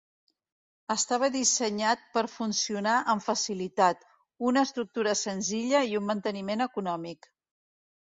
Estava dissenyat per funcionar amb facilitat, una estructura senzilla i un manteniment econòmic.